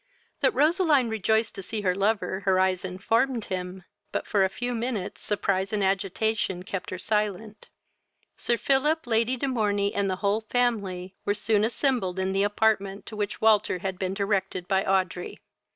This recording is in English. That Roseline rejoiced to see her lover her eyes informed him, but for a few minutes surprise and agitation kept her silent. Sir Philip, Lady de Morney, and the whole family, were soon assembled in the apartment to which Walter had been directed by Audrey.